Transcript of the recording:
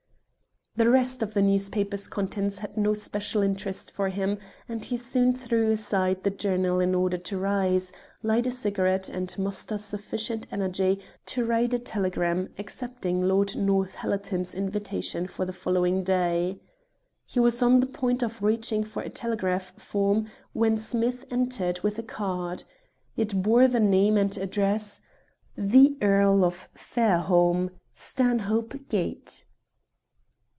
The rest of the newspaper's contents had no special interest for him, and he soon threw aside the journal in order to rise, light a cigarette, and muster sufficient energy to write a telegram accepting Lord Northallerton's invitation for the following day. He was on the point of reaching for a telegraph form when Smith entered with a card. It bore the name and address "The Earl of Fairholme, Stanhope Gate."